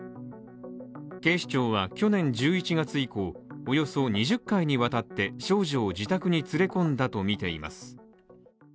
警視庁は去年１１月以降、およそ２０回にわたって少女を自宅に連れ込んだとみています。